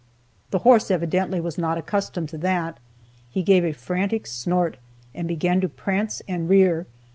The horse evidently was not accustomed to that, he gave a frantic snort, and began to prance and rear.